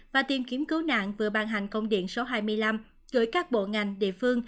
và tìm kiếm cứu nạn vừa ban hành công điện số hai mươi năm gửi các bộ ngành địa phương